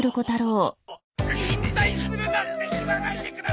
引退するなんて言わないでください！